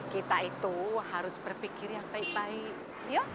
kita itu harus berpikir yang baik baik